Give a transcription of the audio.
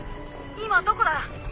今どこだ？